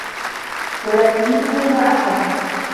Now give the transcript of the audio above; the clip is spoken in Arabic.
وَلَا يُنِيلُهُ مَا أَحَبَّ